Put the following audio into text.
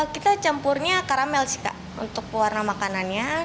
kita campurnya karamel sih kak untuk warna makanannya